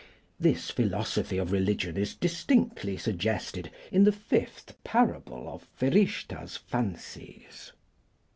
This philosophy of religion is distinctly suggested in the fifth parable of 'Ferishtah's Fancies'.